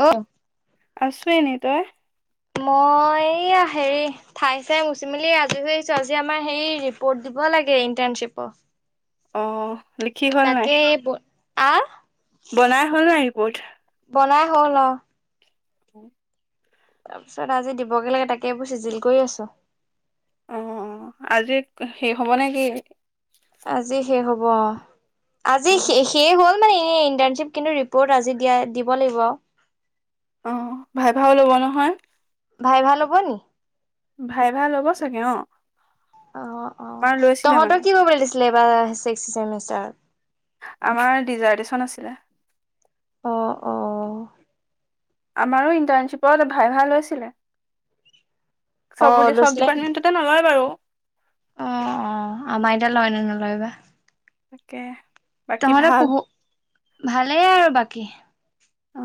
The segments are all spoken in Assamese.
অ', আছো এনেই। তই? মই এইয়া হেৰি ঠাই চাই মচি মেলি আজি হৈ আহিছো। আজি আমাৰ হেৰি ৰিপৰ্ট দি দিব লাগে অ লিখি ইণ্টাৰণশ্বিপৰ। হ'ল নাই তাকেই, আহ বনাই হ'লনে ৰিপৰ্ট? [unintelligible] উম। তাৰপিছত আজি দিবগে লাগে তাকে এইবোৰ চিজিল কৰি আছোঁ। অ' আজি শেষ হ'ব নেকি? আজি শেষ হ'ব আজি অ শেষেই হ'ল। আমাৰ এনেই ইণ্টাৰ্ণশ্বিপ কিন্তু ৰিপৰ্ট আজি দিয়া দিব লাগিব আৰু। অ' ভাইভাও ল'ব নহয়। ভাইভাহ ল'ব নি? ভাইভাহ ল'ব চাগে অ'। অ', আমাৰ অ' লৈছিলে মানে তহঁতৰ কি কৰিবলৈ দিছিলে এইবাৰ ছিক্স ছেমিষ্টাৰত? আমাৰ ডিজাৰ্টেশ্যন আছিলে। অ', অ'। আমাৰো ইণ্টাৰ্ণশ্বিপত ভাইভাহ লৈছিলে। চব অ', বুলি চব লৈছিলে নি? ডিপাৰ্টমেণ্টতে নলয় বাৰু। অ', অ' আমাৰ এতিয়া লয় নে নলয়বা। তাকে। বাকী তহঁতে ভাল পহু, ভালেই আৰু বাকী। অ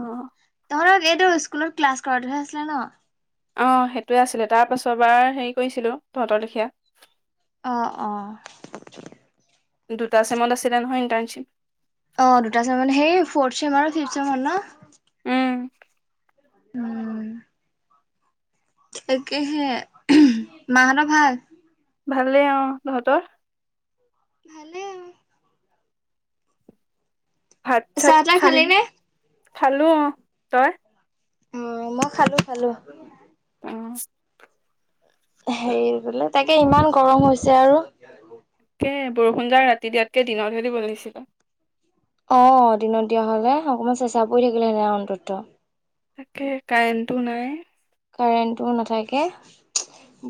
তহঁতৰ এইটো স্কুলত ক্লাছ কৰাটোহে আছিলে ন'? অ' সেইটোৱে আছিলে তাৰ পাছৰ বাৰ হেৰি কৰিছিলো তহঁতৰ লেখীয়া। অ', অ'। দুটা চেমত আছিলে নহয় ইণ্টাৰ্ণশ্বিপ। অ' দুটা চেমত, সেই ফৌৰ্থ চেম আৰু ফিফ চেমত ন'? উম উম। তাকেহে। মাহঁতৰ ভাল? ভালেই অ'। তহঁতৰ? ভালে আৰু। ভাত চাত চাহ তাহ খালি, নে? খালো অ' তই? অ' মই খালো খালো। অ'। হেই বোলে তাকে ইমান গৰম হৈছে আৰু। তাকে বৰষুণ যাক ৰাতি দিয়াতকে দিনত হে দিব লাগিছিলে। অ' দিনত দিয়া হ'লে অকমান চেচা পৰি থাকিলেহেঁতেন অন্তত্ব। তাকে কাৰেণ্টো নাই। কাৰেণ্টোও নাথাকে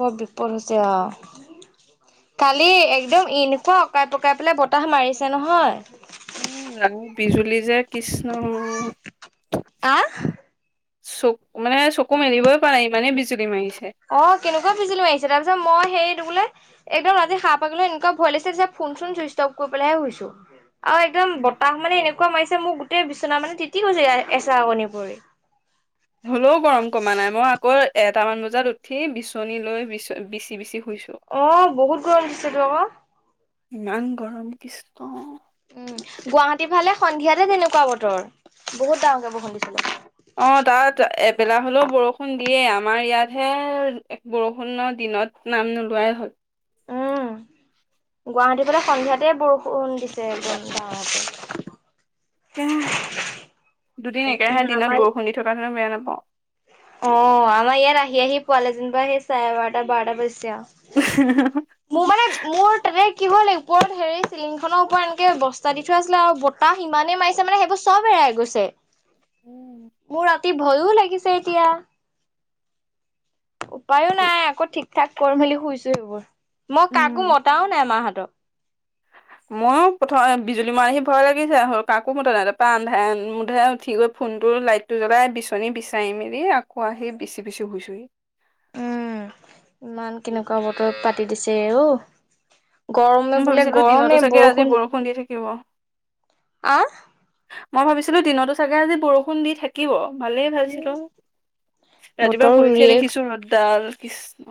বৰ বিপদ হৈছে আৰু। কালি একদম এনেকুৱা অকাই পকাই পেলাই বতাহ মাৰিছে নহয়। উম, ৰাঙী বিজুলী যে কৃষ্ণ। আহ চক মানে চকু মেলিবই পাৰা নাই মানে ইমানেই বিজুলী মাৰিছে। অ' কেনেকুৱা বিজুলী মাৰিছে তাৰ পিছত মই সেই বোলে একদম ৰাতি সাহ পাবলৈ এনেকুৱা ভয় লাগিছে যে ফোন চোন চুইষ্টপ কৰি পেলাইহে হুইছোঁ। আ, একদম বতাহ মানে এনেকুৱা এনেুৱা মাৰিছে মোক গোটেই বিচনা মানে তিতি গৈছে এচা কণি পৰি। হ'লেও গৰম কমা নাই। মই আকৌ এটামান বজাত উঠি বিচনী লৈ বিচ-বিচি বিচি শুইছো। অ' বহুত গৰম দিছে তো আকৌ। ইমান গৰম কৃষ্ণ। উম, গুৱাহাটীৰ ফালে সন্ধিয়াতে তেনেকুৱা বতৰ, বহুত ডাঙৰকে বৰষুণ দিছিলে। অ', তাত এবেলা হ'লেও বৰষুণ দিয়ে। আমাৰ ইয়াতহে বৰষুণৰ দিনত নাম নোলোৱাই হ'ল। উম। গুৱাহাটীফালে সন্ধিয়াতে বৰষুণ দিছে এ, দুদিন একেৰাহে আমাৰ দিনত বৰষুণ দি থকা বেয়া নাপ অ', আমাৰ ইয়াত আহি, আহি পোৱালে যেনিবা সেই চাৰে-বাৰটা, বাৰটা বাজছে। নাপাওঁ। মোৰ মানে মোৰ তেনে কি হ'ল ওপৰত হেৰি চিলিংখনৰ ওপৰত এনেকে বস্তা দি থৈ আছিলে আৰু বতাহ সিমানেই মাৰিছে মানে সেইবোৰ চব হে গৈছে। উম মোৰ ৰাতি ভয়ো লাগিছে এতিয়া। উপায়ো নাই আকৌ ঠিক ঠাক কৰি মেলি শুইছো, সেইবোৰ মই কাকো উম। মতাও নাই মাহতক। [unintelligible] মইও প্ৰথম বিজুলী মাৰাহি ভয় লাগিছে আৰু কাকো মতা নাই, তাৰপা আন্ধাৰে মুন্ধাৰে উঠি গৈ ফোন ত লাইট টো জ্বলাই বিচনী বিচাৰি মেলি আকৌ আহি বিচি, বিচি শুইছোহি। উম, ইমান কেনেকুৱা বত পাতি দিছে আৰু গৰমে মই বোলে ভাবিছিলো দিনতো গৰমে চাগে আজি বৰষুণ দি থাকিব আ মই ভাবিছিলো দিনতো চাগে আজি বৰষুণ দি থাকিব। ভালেই পাইছিলো, ৰাতিপুৱা বতৰ শুই উঠি উৰিয়ে দেখিছো ৰ'দডাল কৃষ্ণ।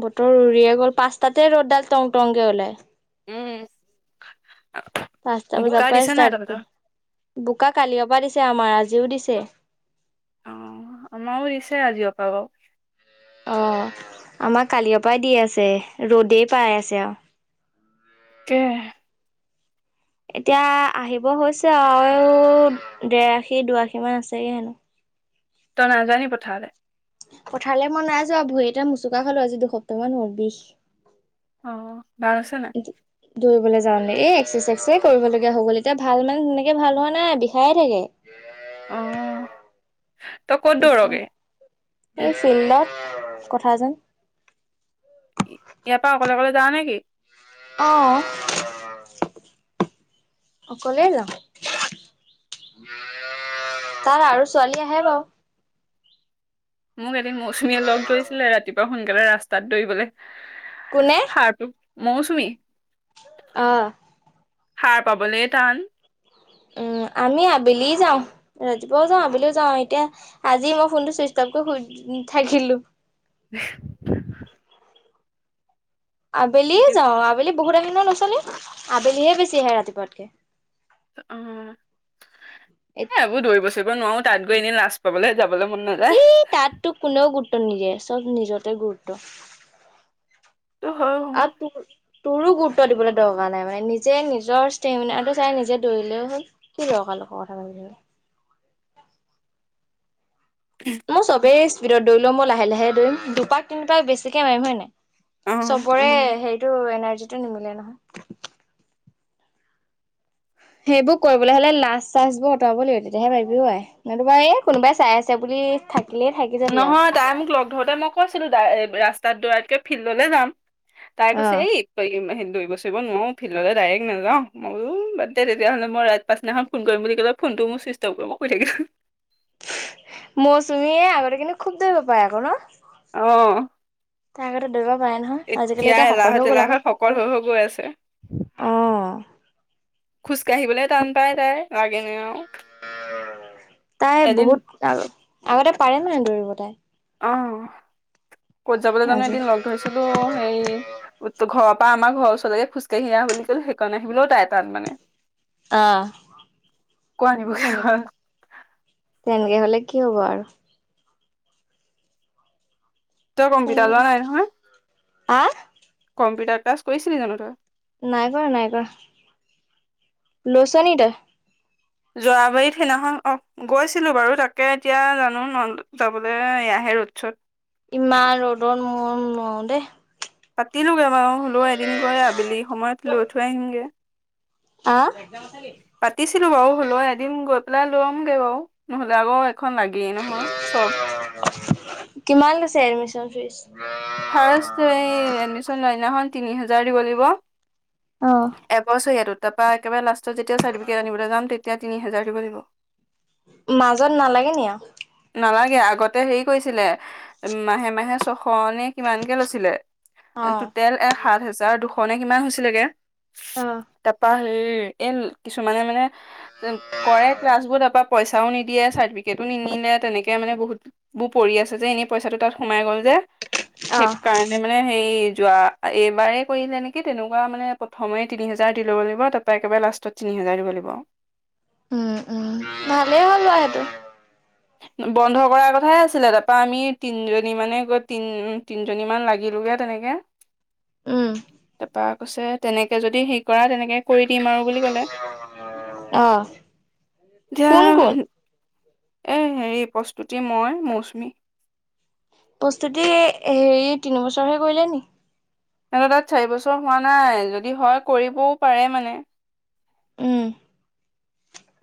বতৰ উৰিয়ে গ'ল, পাঁচটাতে ৰ'দডাল টং টংকে ওলাই। উম, পাঁচটা বোকা বজাৰ পৰাই দিছে নাই ষ্টাৰ্ট তহঁতৰ কৰি, বোকা কালিঅপা দিছে আমাৰ আজি আজিও দিছে। অ', আমাৰো দিছে আজিৰ পৰা বাৰু। অ', আমাৰ কালিঅপাই পৰা দি আছে ৰ'দেই পাই আছে আৰু। তাকেই। এতিয়া আহিব হৈছে আৰু দেৰ আশী, দুআশী মান আছেগে হেনো। তই নাই যোৱা নেকি পথাৰলৈ? পথাৰলৈ মই নাই যোৱা, ভৰি এটা মুচুকা খালো আজি দুসপ্তাহ মান হল বিষ। অ', ভাল হৈছেনে নাই? দৌৰিবলৈ যাওঁ এই এক্সাৰচাইজ কৰিবলগীয়া হৈ গল, এতিয়া ভাল মানে সেনেকে ভাল হোৱা নাই বিষাইে থাকে। অ তই ক'ত এই দৌৰগে [unintelligible] কথা যেন ইয়াৰ পৰা অকলে, অকলে যাও নেকি? অ'। অকলেই যায়? তাত আৰু ছোৱালী আহে বাৰু। মোক এদিন মৌচুমীয়ে লগ ধৰিছিলে, ৰাতিপুৱা সোনকালে ৰাস্তাত দৌৰিবলৈ কোনে সাৰ মৌচুমী অ'। সাৰ পাবলৈ টান। উম, আমি আবেলি যাওঁ, ৰাতিপুৱাও যাওঁ আবেলিও যাওঁ, এতিয়া আজি মই ফোনটো চুইচ শুই থাকিলো। [unintelligible] আবেলিয়ে যাওঁ, আবেলি বহুত আহে নহয় ল'ৰা ছোৱালী, আবেলিহে বেছি আহে ৰাতিপুৱাতকে। অ', এ এইবোৰ দৰিব চৰিব নোৱাৰো তাত গৈ এনেই লাজ পাবলৈ। যাবলৈ মন নাযায়। এই তাততো কোনেও গুৰুত্ব নিদিয়ে চব নিজতে গুৰুত্ব। [unintelligible] আৰু তোৰ-তোৰো গুৰুত্ব দিবলৈ দৰকাৰ নাই, মানে নিজে নিজৰ ষ্টেমিনাটো চাই নিজে ও হল কি দৰকাৰ লোকৰ কথা ভাবি মোৰ চবেই স্পীডত দৌলেও মই লাহে, লাহে দৌৰিম দুপাক তিনি পাক বেছিকে মাৰিম হয় ন নাই? অ চবৰে হেৰিটো এনাৰ্জিটো নিমিলে নহয়। সেইবোৰ কৰিবলৈ হ'লে লাজ চাজ বোৰ অঁতৰাব লাগিব, তেতিয়াহে পাৰিবি হে অ', আই নাই তোবা এই কোনোবাই চাই আছে বুলি থাকে। নহয় তাই মোক লগ ধৰোঁতে মই কৈছিলো ডা ৰাস্তাত দৌৰাতকৈ ফিল্ডলৈ যাম। তাই অ কৈছে এই [unintelligible] দৌৰিব চৰিব নোৱাৰো ফিল্ডলৈ ডাইৰেক্ট নাযাওঁ, মই বোলো ও বাদ দে তেতিয়াহ'লে, মই ৰাই পাছদিনাখন ফোন কৰিম বুলি কৈ পেলাই ফোন টো মোৰ চুইটচ্ অফ কৰি মই শুই থাকিলোঁ। মৌচুমীয়ে আগতে কিন্তু খুব দেৰিব পাৰে আকৌ ন'? থাকিলো। অ তাই আগতে দৌৰিব পাৰে নহয়, আজিকালি এতিয়া শকত এলাহত হৈ গ'ল আকৌ। এলাহত শকত হৈ হৈ গৈ আছে। অ', খোজ কাহিবলৈয়ে টান পায় তাই, লাগে নে আৰু? তাই এদিন বহুত আগতে পাৰে ন' দৌৰিব তাই। অ', কত যাবলৈ জানো আজি এদিন লগ ধৰিছিলো, হেৰি ঘৰ পৰা আমাৰ ঘৰ ওচৰলৈে খোজকাঢ়ি আহ বুলি কলোঁ, সেইকণ আহিবলও তাইৰ তান মানে। অ, আকৌ আনিবগে তেনেকে, হ'ল। তেনেকে হলে কি হ'ব আৰু। তই কম্পিউটাৰ লোৱা আৰু নাই নহয়? হা কম্পিউটাৰ ক্লাছ কৰিছিলি জানো তই? নাই কৰা নাই কৰা, লৈছ নি তই? জৰাবাৰীত সেইদিনাখন অ, গৈছিলো বাৰু তাকে এতিয়া জানো ন যাবলৈ এয়াহে ৰদ চদ। ইমান ৰ'দত মই নোৱাৰোঁ দেই। পাতিলোগৈ বাৰু, লৈ এদিন গৈ আবেলি সময়ত লৈ থৈ আহিমগে। আ? পাতিছিলো বাৰু, হলেও এদিন গৈ পেলাই লমগে বাৰু, নহলে আকৌ খন লাগেই নহয়, চব কিমান লৈছে এডমিশন ফিজ? ফাৰ্ষ্ট এই এডমিচন লোৱাৰ দিনাখন তিনি হাজাৰ দিব লাগিব অ এবছৰীয়াতোত, তাৰপা একেবাৰে লাষ্টত যেতিয়া চাৰ্টিফিকেট আনিবলৈ যাম তে তিয়া তিনি হোজাৰ দিব লাগিব। মাজত নালাগে নি আৰু? নালাগে, আগতে হেৰি কৰিছিলে, মাহে মাহে ছশ নে কিমানকে লৈছিলে, অ'। টুটেল এ সাত হেজাৰ দুশ নে কিমান হৈছিলেগে। তাপা এই, কিছুমানে মানে কৰে ক্লাছ বোৰ তাৰপা পৰা পইচাও নিদিয়ে, চাৰ্টিফিকেট নিনিলে, তেনেকে মানে বহুত বোৰ পৰি আছে যে এনেই পইচাটো তাত সোমাই গ'ল যে অ', সেইকাৰণে মানে হেৰি যোৱা, এইবাৰই কৰিলে নেকি, তেনেকুৱা মানে প্ৰথমে তিনি হেজাৰ দি ল'ব লাগিব তাৰ পৰা একেবাৰে লাষ্টত তিনি হাজাৰ দিব লাগিব। উম, উম, ভালেই হ'ল বাৰু সেইটো। বন্ধ কৰা কথাই আছিলে, তাৰপা আমি তিনজনী মানে গৈ তিন-তিনজনীমান লাগিল লোগে তেনেকে, উম, তাৰপা কৈছে তেনেকে যদি হেৰি কৰা, তেনে কে কৰি দিম আৰু বুলি কলে। অ', এতিয়া কোন কোন? এই হেৰি প্ৰস্তুতি মই মৌচুমী। প্ৰস্তুতি এই হেৰি তিনিবছৰহে কৰিলে নি? সিহতৰ তাত চাৰি বছৰ হোৱা নাই, যদি হয় কৰিবও পাৰে মানে। উম,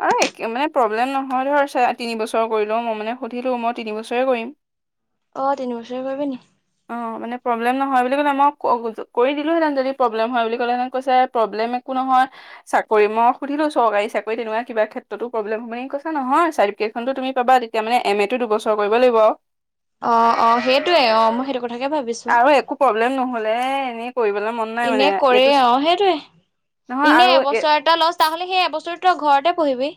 আৰু একে মানে প্ৰব্লেম নহয় ধৰ, চ তিনিবছৰ কৰিলেও মই মানে সুধিলোঁ, মই তিনিবছৰেই কৰিম। অ, তিনিবছৰেই কৰিবি নি? অ, মানে প্ৰব্লেম নহয় বুলি ক'লে, মই ক-কৰি দিলোহেঁতেন যদি প্ৰব্লেম হয় বুলি ক'লেহেঁতেন, কৈছে প্ৰব্লেম এক কো নহয়, চাকৰি ম ই সুধিলোঁ চৰকাৰী চাকৰি তেনেকুৱা কিবা ক্ষেত্ৰতো প্ৰব্লেম হব নেকি? কৈছে নহয় চাৰ্টিফিকেট খনটো তুমি পাবা, তেতিয়া মানে এম এ টো দুবছৰ কৰিব লাগিব আৰু। অ', অ', সেইটোৱে অ, মই সেইটো কথা তাকে ভাবিছো, আৰু একো প্ৰব্লেম নহ'লে এনেই কৰিবলৈ মন নাই মানে এনে কৰে এইটো অৰু সেইটোয়ে। নহয় এনে আৰু এ এবছৰ এটা লষ্ট, তাৰ সলনি সেই এবছৰটো ঘৰতে পঢ়িবি।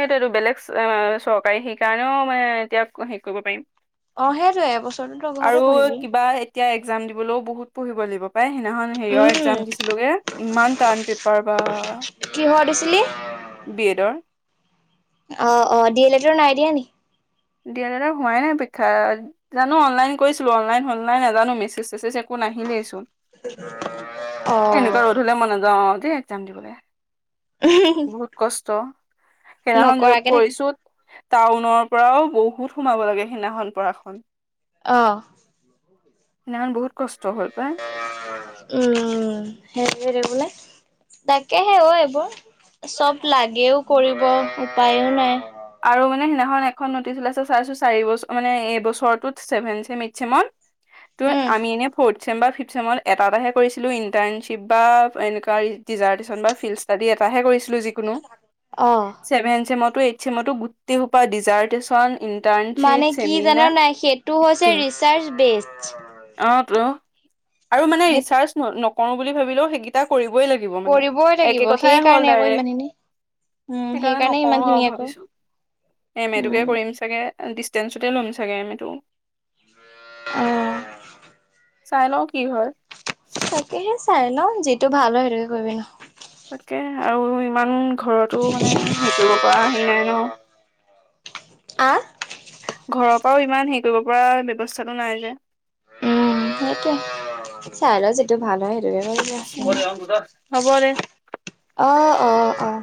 সেইটোইটো, বেলেগ চৰকাৰী সেই কাৰণেওঁ মানে এতিয়া হেৰি কৰিব পাৰিম। অ', সেইটোৱে এবছৰটো তই ঘৰতে আৰু পঢ়িবি। কিবা এতিয়া এক্সাম দিবলৈওঁ বহুত পঢ়িব লাগিব। পাই সিদিনাখন হেৰিয়ৰ উম, এক্সাম দিছিলোগে, ইমান টান পেপাৰ বাঃ। পি [unintelligible] বি এডৰ। অ' অ' ডি এল এডৰ নাই দিয়া নি? ডি এল এডৰ হোৱাই নাই পৰীক্ষা, জানো অ'নলাইন কৰিছিলো, অ'নলাইন হ'লা নে নাই নাজানো। মেছেজ চেছেজ একো ফোন আহিলেই চোন, এ এনেকুৱা অ', ৰ'দ হ'লে মই নাযাওঁ আৰু দেই এক্সাম দিবলৈ। বহুত কষ্ট। সেইদিনাখন য'ত নকৰাকে থাকি পৰিছো টাউনৰ পৰাওঁ বহুত সোমাব লাগে সেইদিনাখন পৰাখন। আহ সেইদিনাখন বহুত কষ্ট হ'ল পাই উম সেইেৰে বোলে তাকেহে অ' এইবোৰ চব লাগেওঁ কৰিব উপায়ওঁ নাই। আৰু মানে সেইদিনাখন এখন নটিচ ওলাইছে, চাইছো চাৰ বছৰ মানে এই বছৰতোত চেভেন ছেমি-চেমত তোৰ উম, আমি এনে ৰ্ফট ছিক্স চেম বা ফিফথ চমত এটা এটাহে কৰিছিলোঁ ইণ্টাৰ্শ্বিপ বা এনেুকুৱা ডিজাটেৰ্শ্যন বি ফিল্ডষ্টাডি এটাহে কৰিছিলোঁ। যি কোনো, অ', চেভেন চেমটো এইট চেমটো গোটেইসোপা ডিজাৰ্টেশ্যণ মানে কি জান নে নাই? সেইটো হৈছে ৰিচাৰ্চ বেচ। অ' তো। আৰু মানে সেইটো ৰিৰ্চাজ নকৰো বুলি ভাবিলেওঁ সেইকিতা কৰিব বৈ লাগিব মানে, কৰিবই লাগিব একে কথাই হ'ল সেইকাৰণে আকৌ ডাইৰেক্ট। ইমানখিনি উম, সেইকাৰণে নকৰো ইমানখিনি আৰু, আকৌ ভাবিছো এম এ উম, টোকে কৰিম চাগে। ডিষ্টেঞ্চতে ল'ম ছাগৈ এম এ টো। আহ চাই ল'ওঁ কি হয়। তাকেহে চাই ল যিটো ভাল হয় সেইটোকে কৰিবি ন। তাকে আৰু ইমান ঘৰতো মানে হেৰি কৰিব পৰা হেৰি নাই আ নহয়। ঘৰৰ পৰাওঁ ইমান হেৰি কৰিব পৰা ব্যৱস্থাটো নাই যে। উম সেইটো চাই ল যিটো ভাল হয় হ'ব দে আহ অ আহ